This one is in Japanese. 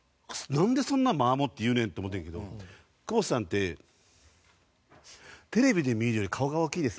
なんでそんな間持って言うねんと思ったんやけど「久保田さんってテレビで見るより顔が大きいですね」